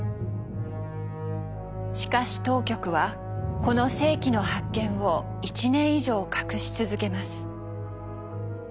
しかし当局はこの世紀の発見を１年以上隠し続けます。